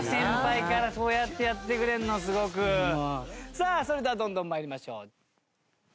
さあそれではどんどん参りましょう。